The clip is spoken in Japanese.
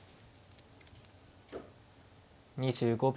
２５秒。